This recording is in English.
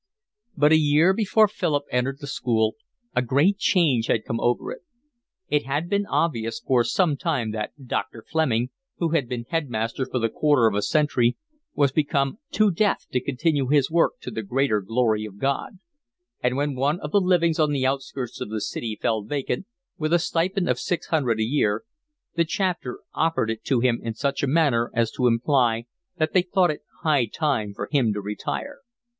But a year before Philip entered the school a great change had come over it. It had been obvious for some time that Dr. Fleming, who had been headmaster for the quarter of a century, was become too deaf to continue his work to the greater glory of God; and when one of the livings on the outskirts of the city fell vacant, with a stipend of six hundred a year, the Chapter offered it to him in such a manner as to imply that they thought it high time for him to retire.